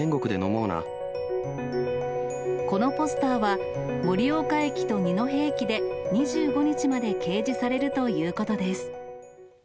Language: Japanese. このポスターは、盛岡駅と二戸駅で２５日まで掲示されるということです。